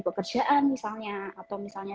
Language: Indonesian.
pekerjaan misalnya atau misalnya